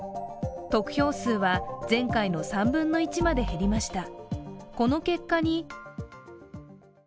得票数は前回の３分の１まで減りました。